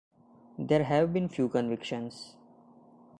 There have been few convictions.